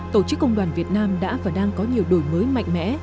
tổ chức công đoàn việt nam đã và đang có nhiều đổi mới mạnh mẽ